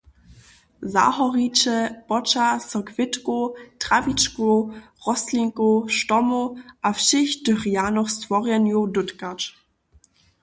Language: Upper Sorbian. Zahoriće poča so kwětkow, trawičkow, rostlinkow, štomow a wšěch tych rjanych stworjenjow dótkać.